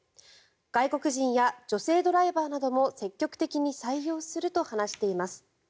外国人や女性ドライバーなども積極的に採用すると話しています。